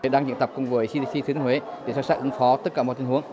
đang diễn tập cùng với cdc thứ huế để sẵn sàng ứng phó tất cả mọi tình huống